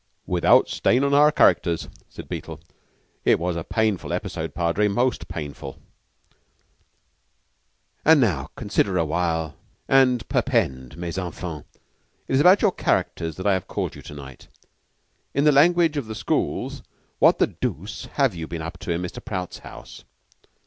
"Without a stain on our characters," said Beetle. "It was a painful episode, Padre, most painful." "Now, consider for a while, and perpend, mes enfants. It is about your characters that I've called to night. In the language of the schools, what the dooce have you been up to in Mr. Prout's house?